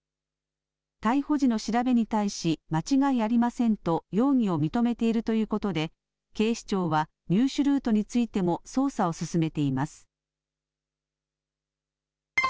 逮捕時の調べに対し間違いありませんと容疑を認めているということで警視庁は入手ルートについても捜査を進めています。